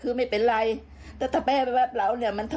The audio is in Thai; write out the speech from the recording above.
แต่ว่าเพื่อความชัดเจนทีมข่าวเราก็สอบถามไปอย่างไร